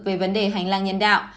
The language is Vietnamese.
về vấn đề hành lang nhân đạo